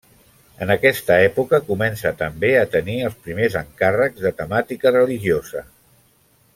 En aquesta època comença, també, a tenir els primers encàrrecs de temàtica religiosa.